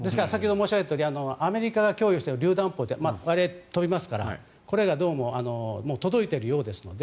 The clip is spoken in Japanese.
先ほど申し上げたとおりアメリカが供与しているりゅう弾砲は飛びますからこれが届いているようですので。